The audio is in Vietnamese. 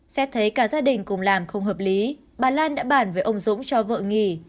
xét thấy cả gia đình cùng làm không hợp lý bà lan đã bản với ông dũng cho vợ nghỉ